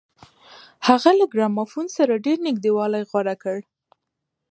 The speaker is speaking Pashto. هغه له ګرامافون سره ډېر نږدېوالی غوره کړ